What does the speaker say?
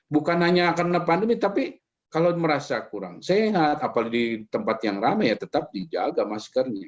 bukan hanya karena pandemi tapi kalau merasa kurang sehat apalagi di tempat yang ramai ya tetap dijaga maskernya